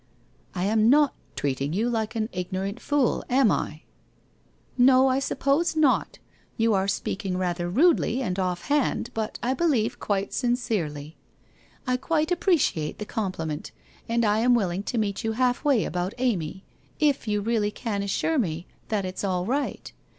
' I am not treating you like an ignorant fool, am I ?'' No, I suppose not. You are speaking rather rudely WHITE ROSE OF WEARY LEAF 223 and offhand, but, I believe, quite sincerely. I quite ap preciate the compliment, and I am willing to meet you halfway about Amy, if you really can assure me that it's all right?